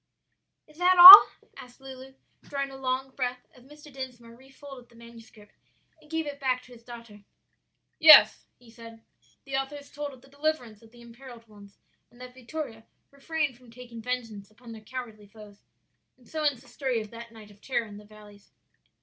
'" "Is that all?" asked Lulu, drawing a long breath, as Mr. Dinsmore refolded the manuscript and gave it back to his daughter. "Yes," he said, "the author has told of the deliverance of the imperilled ones, and that Vittoria refrained from taking vengeance upon their cowardly foes; and so ends the story of that night of terror in the valleys."